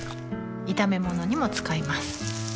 炒め物にも使います